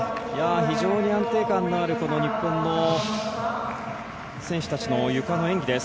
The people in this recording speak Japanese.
非常に安定感のある日本の選手たちのゆかの演技です。